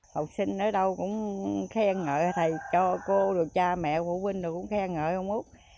học sinh ở đâu cũng khen ngợi thầy cho cô cha mẹ phụ huynh cũng khen ngợi ông úc